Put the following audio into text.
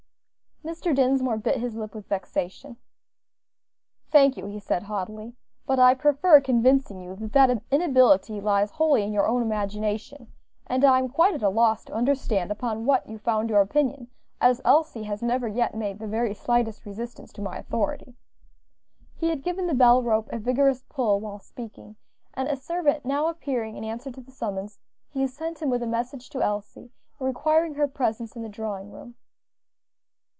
Mr. Dinsmore bit his lip with vexation. "Thank you," he said, haughtily, "but I prefer convincing you that that inability lies wholly in your own imagination; and I am quite at a loss to understand upon what you found your opinion, as Elsie has never yet made the very slightest resistance to my authority." He had given the bell rope a vigorous pull while speaking, and a servant now appearing in answer to the summons, he sent him with a message to Elsie, requiring her presence in the drawing room.